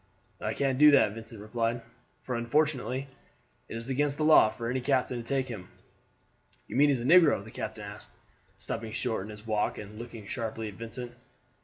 "I can't do that," Vincent replied; "for unfortunately it is against the law for any captain to take him." "You mean he is a negro?" the captain asked, stopping short in his walk and looking sharply at Vincent.